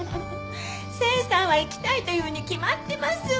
清さんは行きたいと言うに決まってます。